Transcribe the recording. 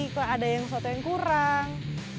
kok ada yang suatu yang kurang